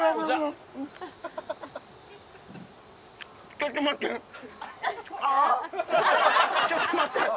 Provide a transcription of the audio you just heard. ちょっと待って、ああ。